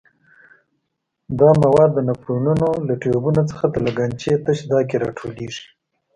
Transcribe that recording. دا مواد د نفرونونو له ټیوبونو څخه د لګنچې تش ځای کې را ټولېږي.